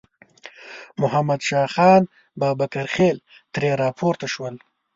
محمد شاه خان بابکرخېل ترې راپورته شول.